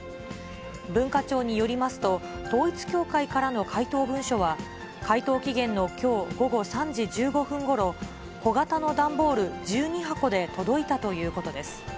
文化庁によりますと、統一教会からの回答文書は、回答期限のきょう午後３時１５分ごろ、小型の段ボール１２箱で届いたということです。